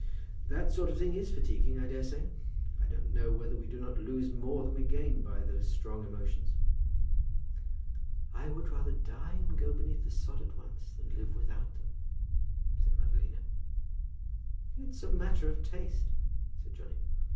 "That sort of thing is fatiguing, I dare say. I don't know whether we do not lose more than we gain by those strong emotions." "I would rather die and go beneath the sod at once, than live without them," said Madalina. "It's a matter of taste," said Johnny.